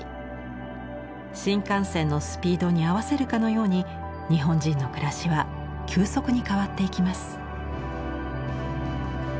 新幹線のスピードに合わせるかのように日本人の暮らしは急速に変わっていきます。